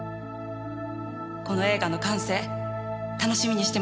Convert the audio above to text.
この映画の完成楽しみにしてますから。